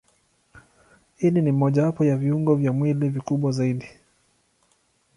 Ini ni mojawapo wa viungo vya mwili vikubwa zaidi.